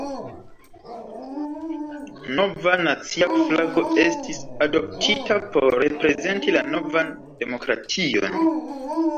Nova nacia flago estis adoptita por reprezenti la novan demokration.